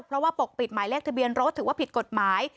เพราะว่าปกปิดหมายเลขทะเบียนรถถือว่าผิดกฎหมาย